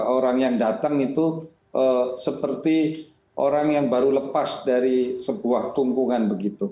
orang yang datang itu seperti orang yang baru lepas dari sebuah kungkungan begitu